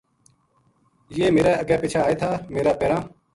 یہ میرے اَگے پِچھے آئے تھا میرا پیراں